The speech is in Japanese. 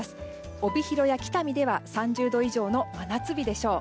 帯広や北見では３０度以上の真夏日でしょう。